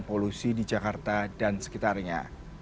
polusi di jakarta dan sekitarnya